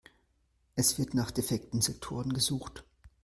Es wird nach defekten Sektoren gesucht.